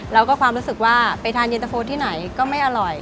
แล้วก็ความรู้สึกว่าไปทานเย็นตะโฟที่ไหนก็ไม่อร่อย